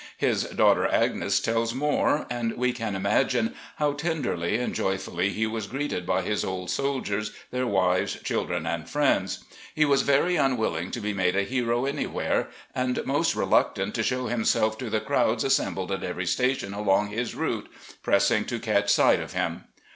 His datighter Agnes tells more, and we can imagine how tenderly and jo)dully he was greeted by his old soldiers, their wives, children, and friends. He was very tmwilling to be made a hero anywhere, and most reluctant to show himself to the crowds assembled at every station along his route, pressing to catch sight of him.